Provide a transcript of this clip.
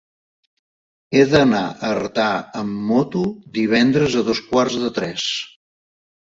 He d'anar a Artà amb moto divendres a dos quarts de tres.